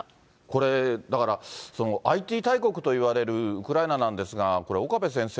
これ、だからＩＴ大国といわれるウクライナなんですが、これ、岡部先生、